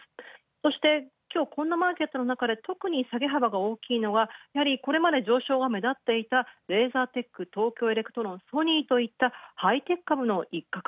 そいて、きょうこんなマーケットのなかで特に下げ幅が大きいのがやはりこれまで上昇が目立っていたレーザーテックと東京エレクトロン、ソニーといった、ハイテク株の一角。